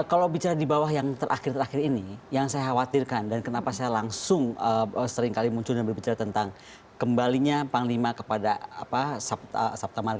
kalau bicara di bawah yang terakhir terakhir ini yang saya khawatirkan dan kenapa saya langsung seringkali muncul dan berbicara tentang kembalinya panglima kepada sabta marga